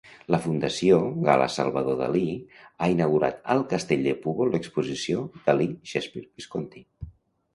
La Fundació Gala-Salvador Dalí ha inaugurat al Castell de Púbol l'exposició "Dalí, Shakespeare, Visconti".